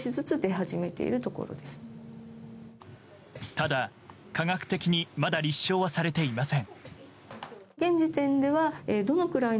ただ、科学的にまだ立証はされていません。